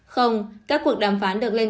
không các cuộc đàm phán được lên